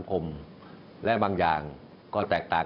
วันนี้นั้นผมจะมาพูดคุยกับทุกท่าน